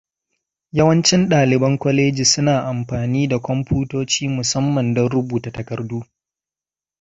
Yawancin ɗaliban kwaleji suna amfani da kwamfutoci musamman don rubuta takardu.